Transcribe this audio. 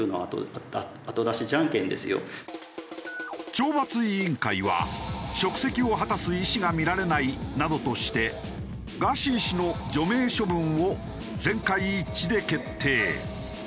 懲罰委員会は職責を果たす意思がみられないなどとしてガーシー氏の除名処分を全会一致で決定。